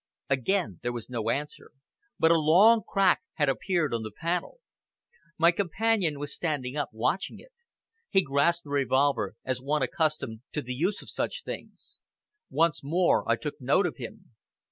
Again there was no answer, but a long crack had appeared on the panel. My companion was standing up watching it. He grasped the revolver as one accustomed to the use of such things. Once more I took note of him.